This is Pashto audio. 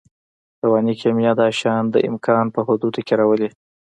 رواني کیمیا دا شیان د امکان په حدودو کې راولي